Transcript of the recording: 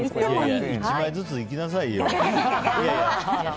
１枚ずついきなさいよ。